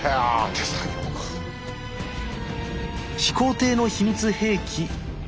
始皇帝の秘密兵器弩。